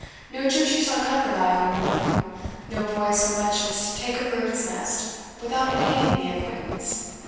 No gipsy shall cut the value of a broom no boy so much as take a bird's nest without paying thee a quittance.